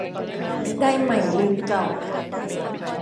ได้ใหม่ลืมเก่า